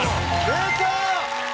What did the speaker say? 出た！